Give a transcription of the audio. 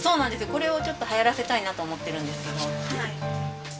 これをちょっとはやらせたいなと思ってるんですけど。